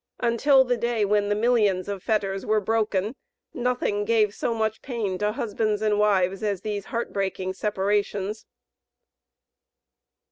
Until the day when the millions of fetters were broken, nothing gave so much pain to husbands and wives as these heart breaking separations.